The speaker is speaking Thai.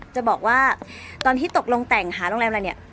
จะบอกว่าตอนที่ตกลงแต่งหาโรงแรมอะไรเนี่ย